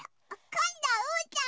こんどうーたん